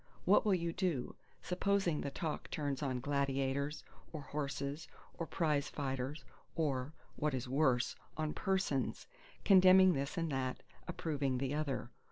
What will you do, supposing the talk turns on gladiators, or horses, or prize fighters, or (what is worse) on persons, condemning this and that, approving the other?